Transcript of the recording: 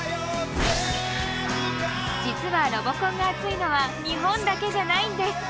実はロボコンが熱いのは日本だけじゃないんです！